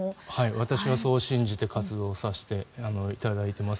私はそう信じて活動させていただいています。